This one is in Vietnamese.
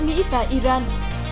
mỹ và iran